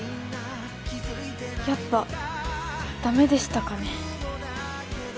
やっぱダメでしたかね？